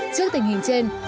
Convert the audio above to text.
trước tình hình trên